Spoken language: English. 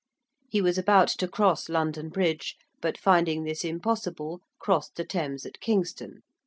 He was about to cross London Bridge, but finding this impossible crossed the Thames at Kingston.